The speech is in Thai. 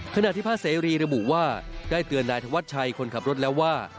ขณะที่พระเสรีระบุว่าได้เตือนนายธวัชชัยคนขับรถแล้วว่า